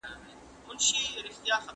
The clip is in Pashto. مرګ انسان ته له رنځه نجات ورکوي.